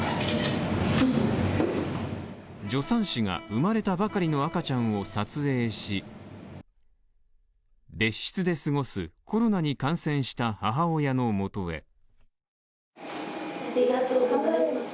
助産師が生まれたばかりの赤ちゃんを撮影し別室で過ごすコロナに感染した母親のもとへ。